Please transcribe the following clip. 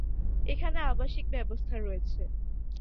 এখানে আবাসিক ব্যবস্থা রয়েছে।